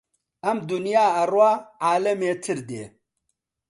ئەم دونیا ئەڕوا عالەمێتر دێ